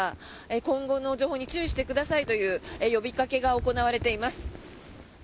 今後の情報に注意してくださいという呼びかけが行われています。